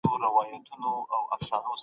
د کابل په نوي ښار کي د هند سفارت چيرته دی؟